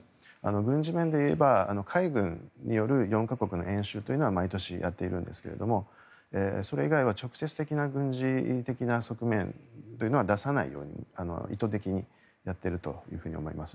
軍事面でいえば海軍による４か国の演習は毎年やっているんですがそれ以外は直接的な軍事的な側面というのは出さないように意図的にやっていると思います。